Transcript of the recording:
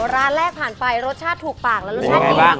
ร้านแรกผ่านไปรสชาติถูกปากและรสชาติดีมากค่ะพี่แซ็ค